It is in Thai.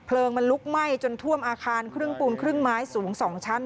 มันลุกไหม้จนท่วมอาคารครึ่งปูนครึ่งไม้สูง๒ชั้น